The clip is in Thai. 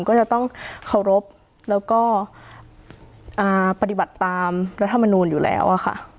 ก็จะต้องเคารพแล้วก็ปฏิบัติตามรัฐมนูลอยู่แล้วค่ะ